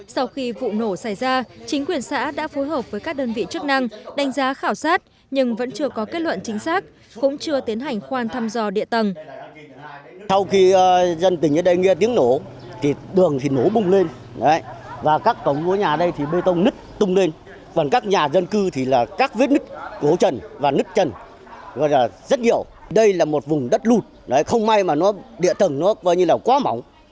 sau khi vụ nổ xảy ra chính quyền xã đã phối hợp với các đơn vị chức năng đánh giá khảo sát nhưng vẫn chưa có kết luận chính xác cũng chưa tiến hành khoan thăm dò địa tầng